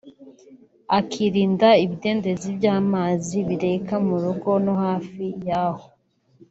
akirinda ibidendezi by’amazi bireka mu rugo no hafi yahoo